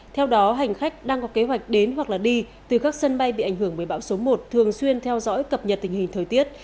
theo đó hành khách đang có kế hoạch đến hoặc đi từ các sân bay bị ảnh hưởng bởi bão số một thường xuyên theo dõi cập nhật tình hình thời tiết